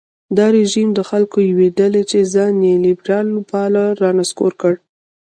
دا رژیم د خلکو یوې ډلې چې ځان یې لېبرال باله رانسکور کړ.